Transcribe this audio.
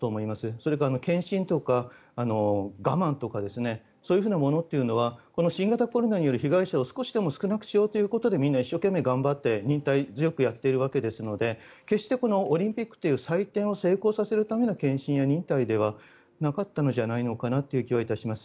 それと献身とか我満とかそういうふうなものっていうのはこの新型コロナによる被害者を少しでも少なくしようということでみんな一生懸命頑張って忍耐強くやっているわけですので決してオリンピックという祭典を成功させるための献身や忍耐ではなかったのかなという気がいたします。